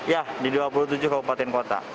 ya di dua puluh tujuh kabupaten kota